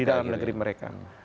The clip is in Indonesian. di dalam negeri mereka